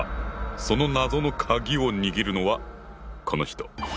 その謎のカギを握るのはこの人！